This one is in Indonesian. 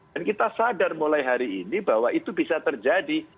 dan kita sadar mulai hari ini bahwa itu bisa terjadi